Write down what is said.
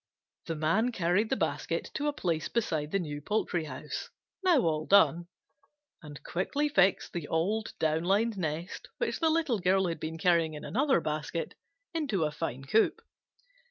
The Man carried the basket to a place beside the new poultry house, now all done, and quickly fixed the old down lined nest, which the Little Girl had been carrying in another basket, into a fine coop.